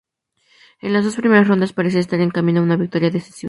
En las dos primeras rondas parecía estar en camino a una victoria decisiva.